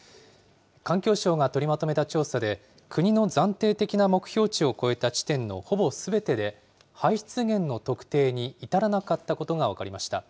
環境省が取りまとめた調査で、国の暫定的な目標値を超えた地点のほぼすべてで、排出源の特定に至らなかったことが分かりました。